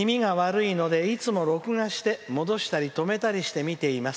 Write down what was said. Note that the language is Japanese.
耳が悪いのでいつも録画して戻したり止めたりして見ています。